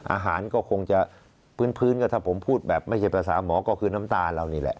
อาหารก็คงจะพื้นก็ถ้าผมพูดแบบไม่ใช่ภาษาหมอก็คือน้ำตาเรานี่แหละ